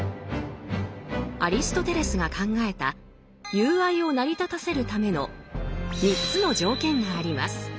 アリストテレスが考えた友愛を成り立たせるための３つの条件があります。